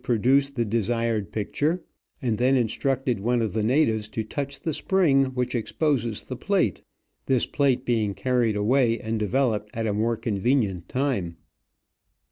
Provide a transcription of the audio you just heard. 187 produce the desired picture, and then instructed one of the natives to touch the spring which exposes the plate, this plate being carried away and developed at a more convenient time.